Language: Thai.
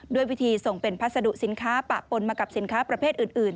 ด้วยวิธีส่งเป็นพัสดุสินค้าปะปนมากับสินค้าประเภทอื่น